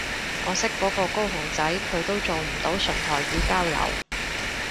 我識嗰個高雄仔佢都做唔到純台語交流